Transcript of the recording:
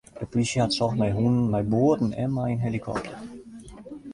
De plysje hat socht mei hûnen, mei boaten en mei in helikopter.